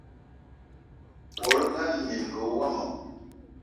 Bolo ngana minenga womo